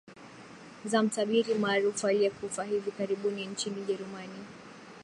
za mtabiri maarufu aliyekufa hivi karibuni nchini gerumani